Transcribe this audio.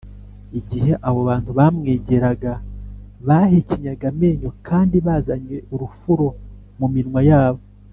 igihe abo bantu bamwegeraga bahekenyaga amenyo kandi bazanye urufuro mu minwa yabo